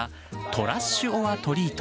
トラッシュオアトリート。